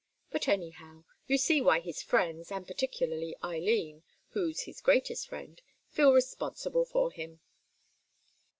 But anyhow, you see why his friends, and particularly Eileen, who's his greatest friend, feel responsible for him."